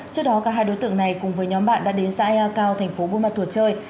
trước đó cả hai đối tượng này cùng với nhóm bạn đã đến xã ea cao thành phố buôn ma thuột chơi